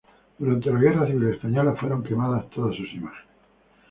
Durante la guerra civil española fueron quemadas todas sus imágenes.